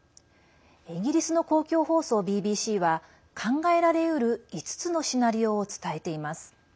イギリスの公共放送ＢＢＣは考えられうる５つのシナリオを伝えています。